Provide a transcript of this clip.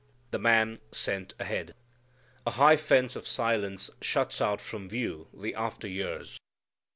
The Man Sent Ahead. A high fence of silence shuts out from view the after years.